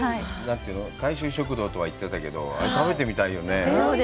大衆食堂とは言ってたけど、あれ食べてみたいよね。